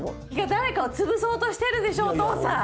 誰かを潰そうとしてるでしょお父さん。